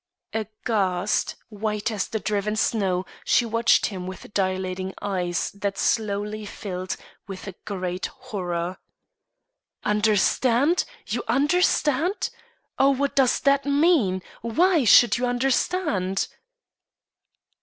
Aghast, white as the driven snow, she watched him with dilating eyes that slowly filled with a great horror. "Understand! you understand! Oh, what does that mean? Why should you understand?"